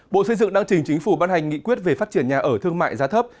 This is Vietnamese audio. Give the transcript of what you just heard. bộ xây dựng đang trình chính phủ ban hành nghị quyết về phát triển nhà ở thương mại giá thấp